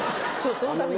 そのために。